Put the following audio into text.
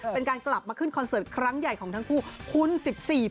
เป็นการกลับมาขึ้นคอนเสิร์ตครั้งใหญ่ของทั้งคู่คุณ๑๔ปี